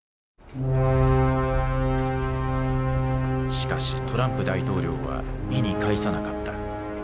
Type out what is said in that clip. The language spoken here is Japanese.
しかしトランプ大統領は意に介さなかった。